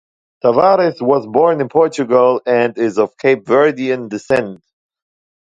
Tavares was born in Portugal and is of Cape Verdean descent.